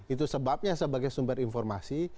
itu sebabnya sebagai sumber informasi